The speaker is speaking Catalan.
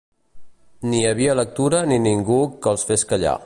Ni hi havia lectura ni ningú que els fes callar.